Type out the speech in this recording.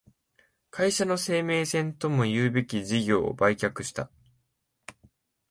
会社の生命線ともいうべき事業を売却した